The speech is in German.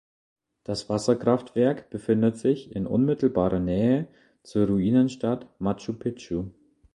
Das Wasserkraftwerk befindet sich in unmittelbarer Nähe zur Ruinenstadt Machu Picchu.